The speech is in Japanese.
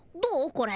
これ。